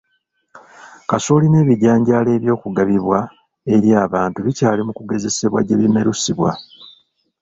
Kasooli n'ebijanjaalo eby'okugabibwa eri abantu bikyali mu kugezesebwa gye bimerusibwa